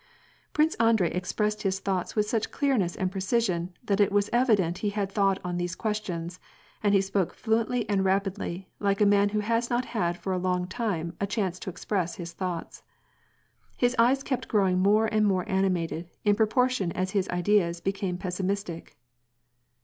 Prince Andrei expressed his thoughts with such clearness and precision that it was evident he had thought on these questions and he spoke fluently and rapidly, like a man who has not had for a long time a chance to express his thoughts. His eyes kept growing more and more animated, in proportion as his ideas became pessimistic.